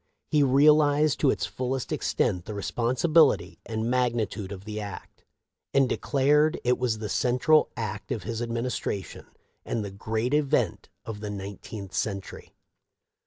He realized to its fullest extent the responsibility and magnitude of the act, and declared it was " the central act of his administra tion and the great event of the nineteenth century."